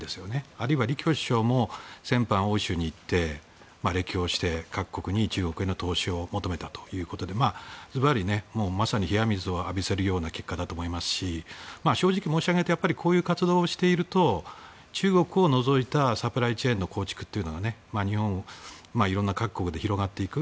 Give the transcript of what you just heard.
あるいは首相も先般、欧州に行って歴訪して各国に中国への投資を求めたということでずばり、冷や水を浴びせる結果だと思いまして正直言ってこういう活動をしていると中国を除いたサプライチェーンの構築が日本、色んな各国で広がっていく。